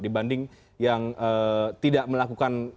dibanding yang tidak melakukan kembali perpustakaan